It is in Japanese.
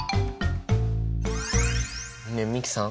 ねえ美樹さん。